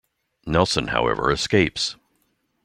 Nelson however escapes.